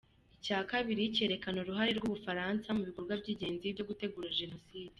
Icya kabiri cyerekana uruhare rw’u Bufaransa mu bikorwa by’ingenzi byo gutegura Jenoside.